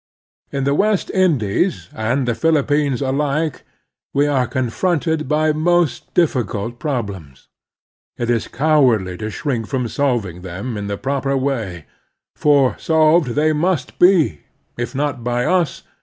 In the West Indies and the Philippines alike we are confronted by most difRcult problems. It is cowardly to shrink from solving them in the proper way ; for solved they must be, if not by us